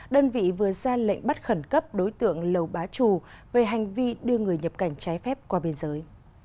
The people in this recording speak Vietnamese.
đơn vị vừa ra lệnh bắt khẩn cấp đối tượng lầu bá trù về hành vi đưa người nhập cảnh trái phép qua biên giới